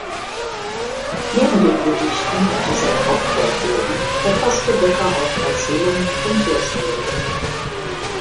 Neben den Gedichten, die sein Hauptwerk bilden, verfasste Becker auch Erzählungen und Hörspiele.